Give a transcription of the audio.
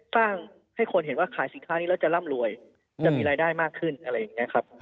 สร้างให้คนเห็นว่าขายสินค้านี้แล้วจะร่ำรวยจะมีรายได้มากขึ้นอะไรอย่างนี้ครับ